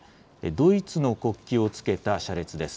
ドイツの国旗をつけた車列です。